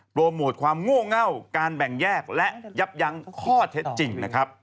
โปรโมทความง่วงเง่าการแบ่งแยกและยับยังข้อเท็จจริง